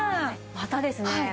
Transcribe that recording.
またですね